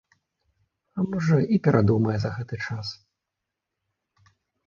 А, можа, і перадумае за гэты час.